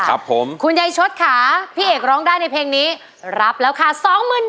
รับแล้วค่ะสองหมื่นบาท